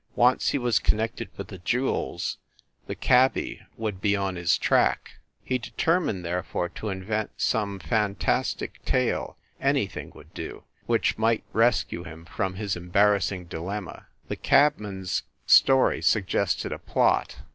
Once he was connected with the jewels, the cabby would be on his track. He determined, therefore, to invent some fantastic tale anything would do which might rescue him from his embarrassing dilemma. The cab driver s story suggested a plot.